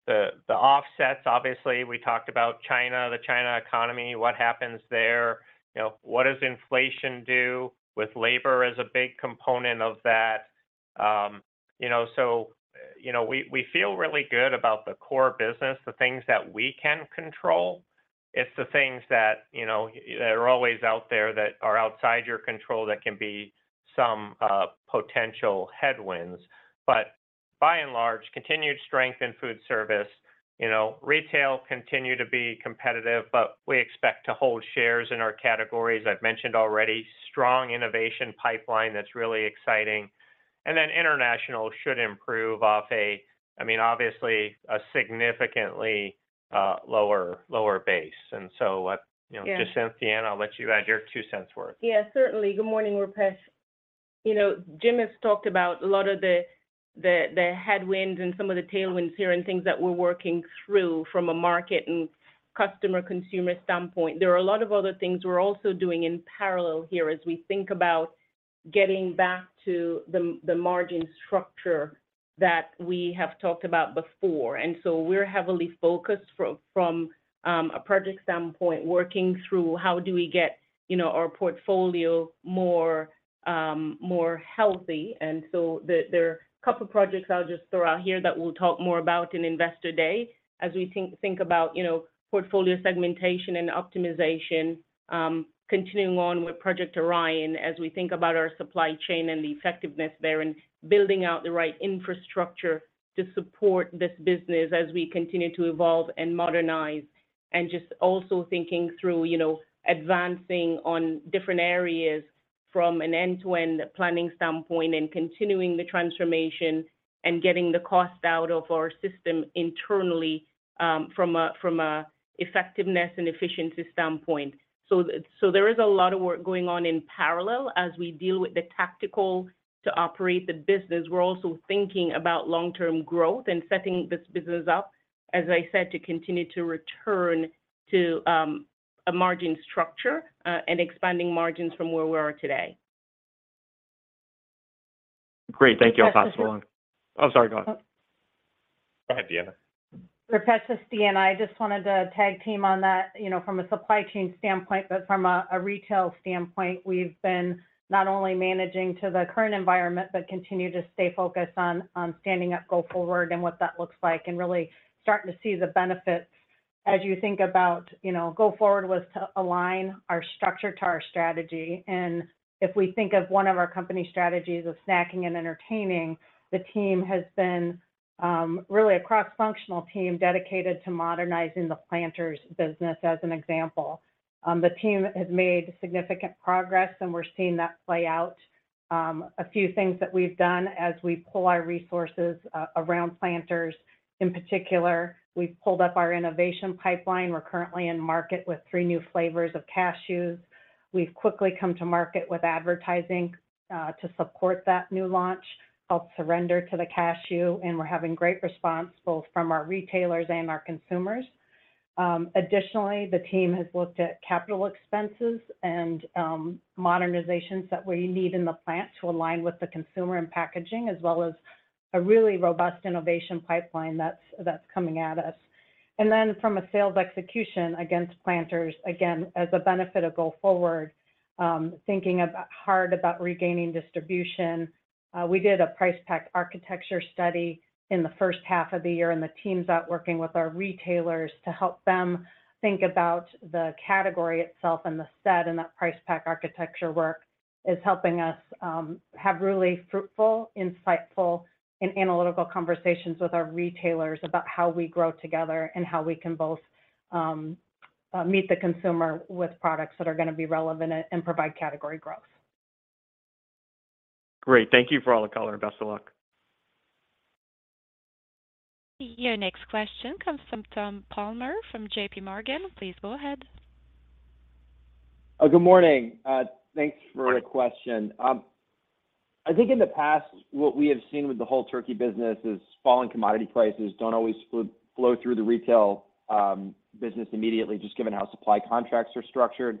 the offsets, obviously, we talked about China, the China economy, what happens there? You know, what does inflation do with labor as a big component of that? You know, so we feel really good about the core business, the things that we can control. It's the things that, you know, that are always out there that are outside your control, that can be some potential headwinds. But by and large, continued strength in foodservice. You know, retail continue to be competitive, but we expect to hold shares in our categories. I've mentioned already, strong innovation pipeline that's really exciting. And then international should improve off a-- I mean, obviously, a significantly lower, lower base. And so, you know- Yeah... just sent Deanna, I'll let you add your two cents' worth. Yeah, certainly. Good morning, Rupesh. You know, Jim has talked about a lot of the headwinds and some of the tailwinds here, and things that we're working through from a market and customer consumer standpoint. There are a lot of other things we're also doing in parallel here as we think about getting back to the margin structure that we have talked about before. And so we're heavily focused from a project standpoint, working through how do we get, you know, our portfolio more healthy. And so there are a couple projects I'll just throw out here that we'll talk more about in Investor Day, as we think about, you know, portfolio segmentation and optimization. Continuing on with Project Orion, as we think about our supply chain and the effectiveness there, and building out the right infrastructure to support this business as we continue to evolve and modernize. Just also thinking through, you know, advancing on different areas from an end-to-end planning standpoint, and continuing the transformation, and getting the cost out of our system internally, from a effectiveness and efficiency standpoint. So, so there is a lot of work going on in parallel as we deal with the tactical to operate the business. We're also thinking about long-term growth and setting this business up, as I said, to continue to return to a margin structure, and expanding margins from where we are today. Great. Thank you, Rupesh-... Oh, sorry, go ahead. Go ahead, Deanna. Rupesh, it's Deanna. I just wanted to tag team on that, you know, from a supply chain standpoint, but from a retail standpoint, we've been not only managing to the current environment, but continue to stay focused on standing up Go Forward and what that looks like, and really starting to see the benefits. As you think about, you know, Go Forward was to align our structure to our strategy. And if we think of one of our company strategies of Snacking and Entertaining, the team has been really a cross-functional team dedicated to modernizing the Planters business, as an example. The team has made significant progress, and we're seeing that play out. A few things that we've done as we pull our resources around Planters, in particular, we've pulled up our innovation pipeline. We're currently in market with three new flavors of cashews. We've quickly come to market with advertising to support that new launch, called Surrender to the Cashew, and we're having great response both from our retailers and our consumers. Additionally, the team has looked at capital expenses and modernizations that we need in the plant to align with the consumer and packaging, as well as a really robust innovation pipeline that's coming at us. And then from a sales execution against Planters, again, as a benefit of Go Forward, thinking hard about regaining distribution, we did a Price Pack Architecture study in the first half of the year, and the team's out working with our retailers to help them think about the category itself and the set. That Price Pack Architecture work is helping us have really fruitful, insightful, and analytical conversations with our retailers about how we grow together, and how we can both meet the consumer with products that are gonna be relevant and provide category growth. Great. Thank you for all the color. Best of luck. Your next question comes from Tom Palmer, from JPMorgan. Please go ahead. Good morning. Thanks for the question. I think in the past, what we have seen with the whole turkey business is falling commodity prices don't always flow through the retail business immediately, just given how supply contracts are structured.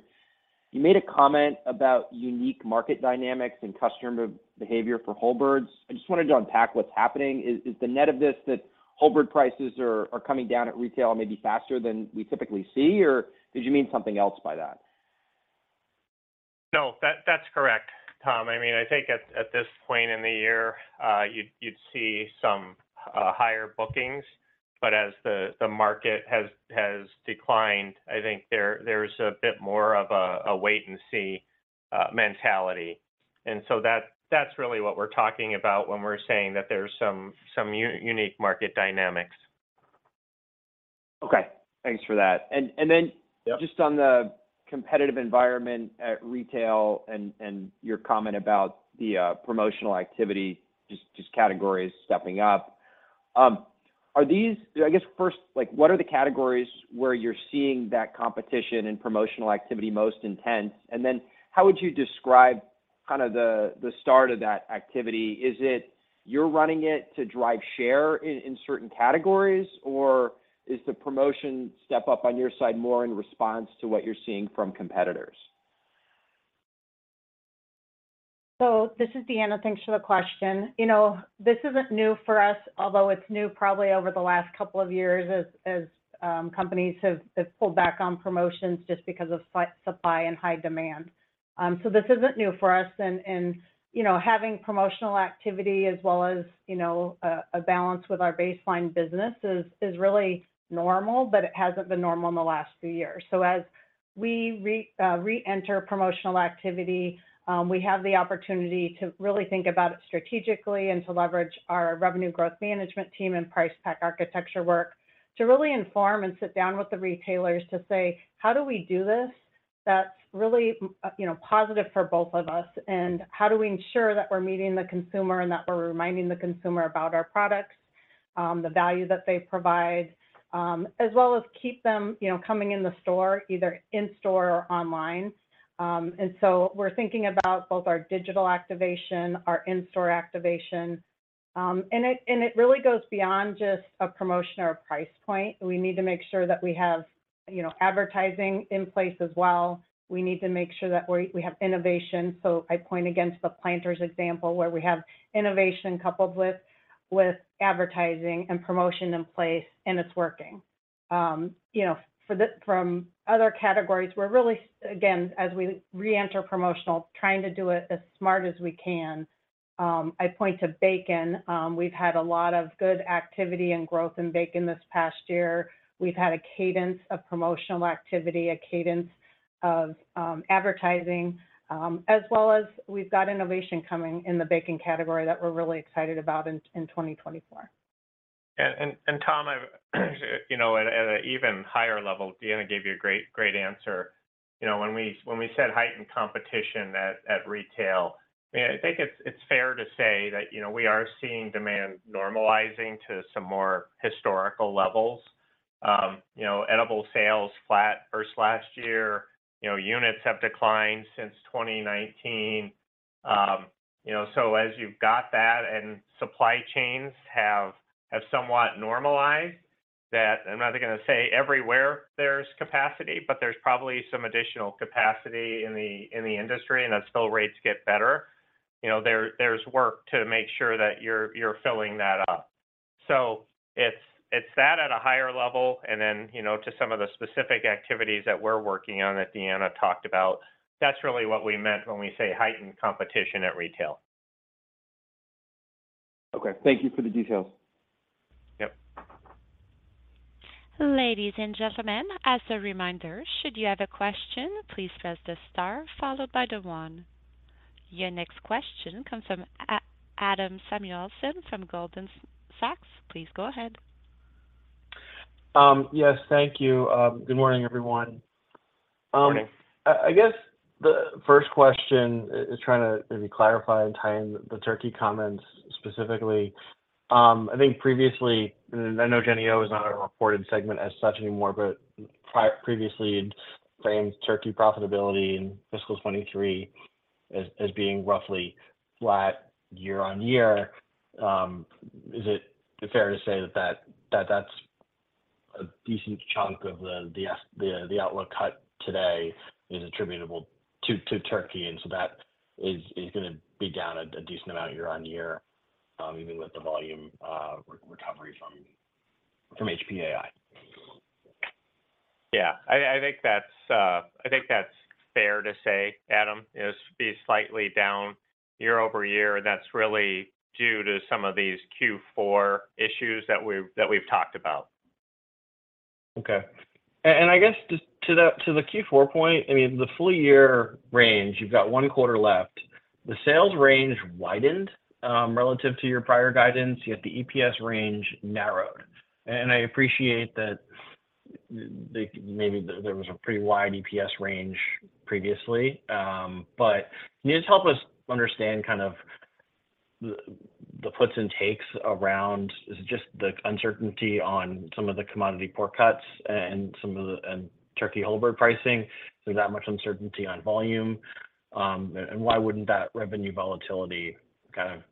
You made a comment about unique market dynamics and customer behavior for whole birds. I just wanted to unpack what's happening. Is the net of this that whole bird prices are coming down at retail, maybe faster than we typically see, or did you mean something else by that? No, that's correct, Tom. I mean, I think at this point in the year, you'd see some higher bookings, but as the market has declined, I think there's a bit more of a wait and see mentality. And so that's really what we're talking about when we're saying that there's some unique market dynamics. Okay, thanks for that. And then- Yeah. Just on the competitive environment at retail and your comment about the promotional activity, just categories stepping up. Are these—I guess first, like, what are the categories where you're seeing that competition and promotional activity most intense? And then how would you describe kind of the start of that activity? Is it you're running it to drive share in certain categories, or is the promotion step up on your side more in response to what you're seeing from competitors? So this is Deanna. Thanks for the question. You know, this isn't new for us, although it's new probably over the last couple of years as companies have pulled back on promotions just because of supply and high demand. So this isn't new for us. And, you know, having promotional activity as well as, you know, a balance with our baseline business is really normal, but it hasn't been normal in the last few years. So as we reenter promotional activity, we have the opportunity to really think about it strategically and to leverage our Revenue Growth Management team and Price Pack Architecture work to really inform and sit down with the retailers to say, "How do we do this that's really, you know, positive for both of us? And how do we ensure that we're meeting the consumer and that we're reminding the consumer about our products, the value that they provide, as well as keep them, you know, coming in the store, either in-store or online?" So we're thinking about both our digital activation, our in-store activation. It really goes beyond just a promotion or a price point. We need to make sure that we have, you know, advertising in place as well. We need to make sure that we have innovation. So I point again to the Planters example, where we have innovation coupled with advertising and promotion in place, and it's working. You know, from other categories, we're really, again, as we reenter promotional, trying to do it as smart as we can. I point to Bacon. We've had a lot of good activity and growth in Bacon this past year. We've had a cadence of promotional activity, a cadence of advertising, as well as we've got innovation coming in the Bacon category that we're really excited about in 2024. Tom, I've, you know, at an even higher level, Deanna gave you a great, great answer. You know, when we said heightened competition at retail, I mean, I think it's fair to say that, you know, we are seeing demand normalizing to some more historical levels. You know, edible sales flat versus last year. You know, units have declined since 2019. You know, so as you've got that and supply chains have somewhat normalized, that I'm not gonna say everywhere there's capacity, but there's probably some additional capacity in the industry, and as fill rates get better, you know, there's work to make sure that you're filling that up. So it's that at a higher level, and then, you know, to some of the specific activities that we're working on that Deanna talked about, that's really what we meant when we say heightened competition at retail. Okay. Thank you for the details. Yep. Ladies and gentlemen, as a reminder, should you have a question, please press the star followed by the one. Your next question comes from Adam Samuelson from Goldman Sachs. Please go ahead. Yes, thank you. Good morning, everyone. Morning. I guess the first question is trying to maybe clarify and tie in the turkey comments specifically. I think previously, and I know Jennie-O is not a reported segment as such anymore, but previously framed turkey profitability in fiscal 2023 as being roughly flat year-over-year. Is it fair to say that that's a decent chunk of the outlook cut today is attributable to turkey, and so that is gonna be down a decent amount year-over-year, even with the volume recovery from HPAI? Yeah, I think that's fair to say, Adam. It'll be slightly down year-over-year, and that's really due to some of these Q4 issues that we've talked about. Okay. And I guess just to the Q4 point, I mean, the full year range, you've got one quarter left. The sales range widened relative to your prior guidance, yet the EPS range narrowed. And I appreciate that, maybe there was a pretty wide EPS range previously, but can you just help us understand kind of the puts and takes around, is it just the uncertainty on some of the commodity pork cuts and some of the turkey whole bird pricing? Is there that much uncertainty on volume? And why wouldn't that revenue volatility kind of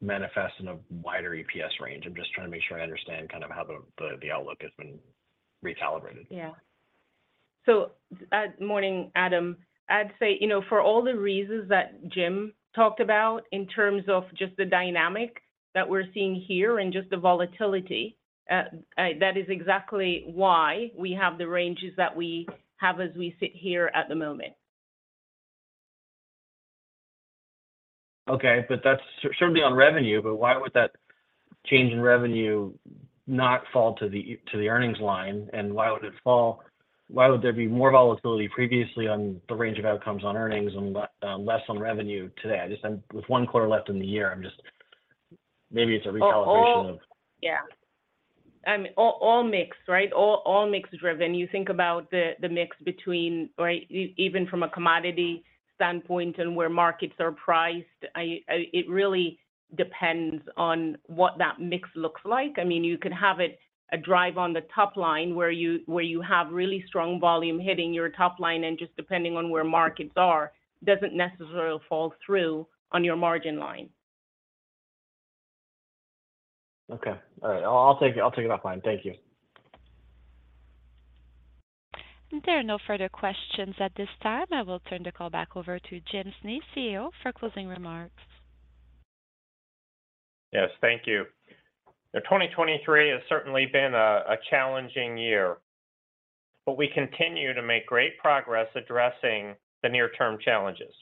manifest in a wider EPS range? I'm just trying to make sure I understand kind of how the outlook has been recalibrated. Yeah. So, morning, Adam. I'd say, you know, for all the reasons that Jim talked about in terms of just the dynamic that we're seeing here and just the volatility, that is exactly why we have the ranges that we have as we sit here at the moment.... Okay, but that's certainly on revenue. But why would that change in revenue not fall to the earnings line? And why would it fall? Why would there be more volatility previously on the range of outcomes on earnings and less on revenue today? I just, I'm—with one quarter left in the year, I'm just, maybe it's a recalibration of- Yeah, I mean, all mix, right? All mix driven. You think about the mix between, right? Even from a commodity standpoint and where markets are priced, I, it really depends on what that mix looks like. I mean, you could have a drive on the top line where you have really strong volume hitting your top line, and just depending on where markets are, doesn't necessarily fall through on your margin line. Okay. All right, I'll take it, I'll take it offline. Thank you. There are no further questions at this time. I will turn the call back over to Jim Snee, CEO, for closing remarks. Yes, thank you. Now, 2023 has certainly been a challenging year, but we continue to make great progress addressing the near-term challenges.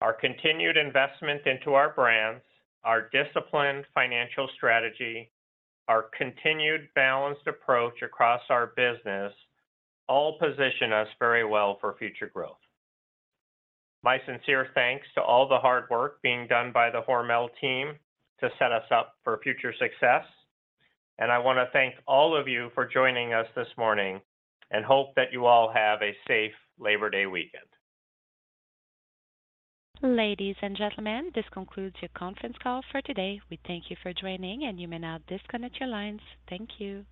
Our continued investment into our brands, our disciplined financial strategy, our continued balanced approach across our business, all position us very well for future growth. My sincere thanks to all the hard work being done by the Hormel team to set us up for future success, and I want to thank all of you for joining us this morning, and hope that you all have a safe Labor Day weekend. Ladies and gentlemen, this concludes your conference call for today. We thank you for joining, and you may now disconnect your lines. Thank you.